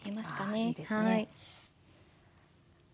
あいいですね。